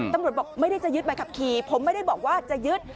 ตำรวจบอกไม่ได้จะยึดใบขับขี่ผมไม่ได้บอกว่าจะยึด